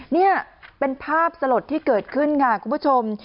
นี่เป็นภาพสลดที่เกิดขึ้นค่ะคุณผู้ชม